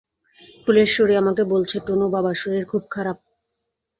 ফুলেশ্বরী আমাকে বলছে, টুনু, বাবার শরীর খুব খারাপ।